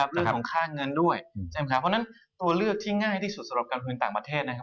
เรื่องของค่าเงินด้วยใช่ไหมครับเพราะฉะนั้นตัวเลือกที่ง่ายที่สุดสำหรับการทุนต่างประเทศนะครับ